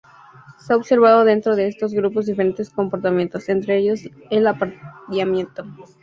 Se ha observado dentro de estos grupos diferentes comportamientos, entre ellos el apareamiento.